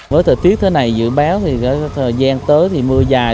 với thời tiết thế này dự báo thì thời gian tới thì mưa dài